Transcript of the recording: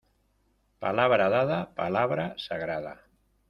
Palabra dada, palabra sagrada.